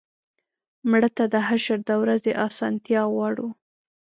مړه ته د حشر د ورځې آسانتیا غواړو